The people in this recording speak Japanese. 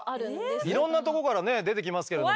いろんなとこからね出てきますけれども。